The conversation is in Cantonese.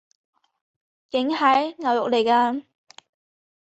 梗係！牛肉來㗎！